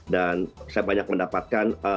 dan saya banyak mendapatkan